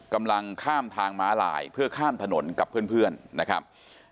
กำลังข้ามทางม้าลายเพื่อข้ามถนนกับเพื่อนนะครับ